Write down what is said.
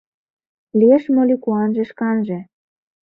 Лиеш моли куанже шканже?